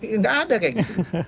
tidak ada kayak gitu